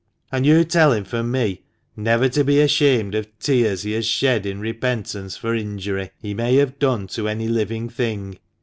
And you tell him from me never to be ashamed of tears he has shed in repentance for injury he may have done to any living thing.